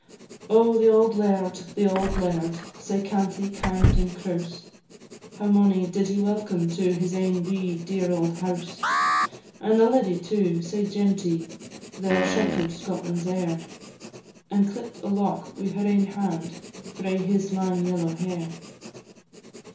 Oh, the auld laird, the auld laird! Sae canty, kind, and crouse; How mony did he welcome to His ain wee dear auld house! And the leddy too, sae genty, There shelter'd Scotland's heir, And clipt a lock wi' her ain hand Frae his lang yellow hair.